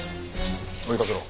追いかけろ。